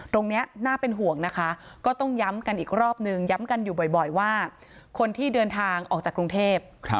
ตรงนี้น่าเป็นห่วงนะคะก็ต้องย้ำกันอีกรอบนึงย้ำกันอยู่บ่อยว่าคนที่เดินทางออกจากกรุงเทพ